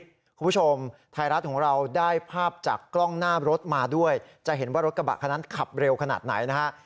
คุณผู้ชมไทยรัฐของเราได้ภาพจากกล้องหน้ารถมาด้วยจะเห็นว่ารถกระบะคันนั้นขับเร็วขนาดไหนนะฮะ